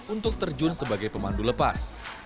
untuk terjun sebagai pemandu lepas